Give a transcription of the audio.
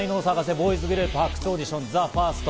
ボーイズグループ発掘オーディション、ＴＨＥＦＩＲＳＴ。